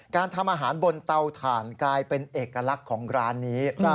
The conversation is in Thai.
การทำอาหารบนเตาถ่านกลายเป็นเอกลักษณ์ของร้านนี้